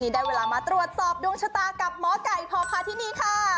ได้เวลามาตรวจสอบดวงชะตากับหมอไก่พอพาที่นี่ค่ะ